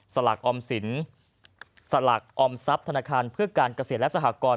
สลักออมสินสลักออมทรัพย์ธนาคารเพื่อการเกษตรและสหกร